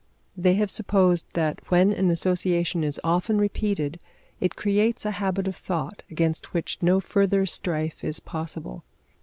They have supposed that when an association is often repeated it creates a habit of thought against which no further strife is possible.